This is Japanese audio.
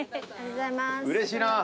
うれしいなあ。